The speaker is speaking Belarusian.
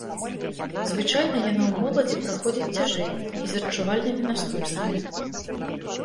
Звычайна яна ў моладзі праходзіць цяжэй і з адчувальнымі наступствамі.